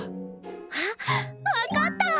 あっ分かった！